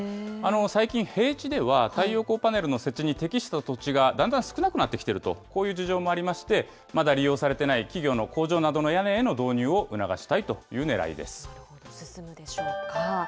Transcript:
最近、平地では、太陽光パネルの設置に適した土地がだんだん少なくなってきていると、こういう事情もありまして、まだ利用されてない企業の工場などの屋根への導入を促したいとい進むでしょうか。